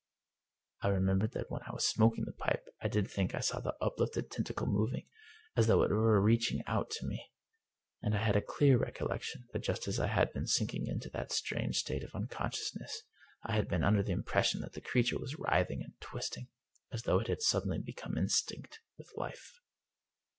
I remembered that when I was smoking the pipe I did think I saw the uplifted tentacle moving, as though it were reaching out to me. And I had a clear recollection that just as I had been sinking into that strange state of unconsciousness, I had been under the impression that the creature was writhing and twisting, as though it had suddenly become instinct with life.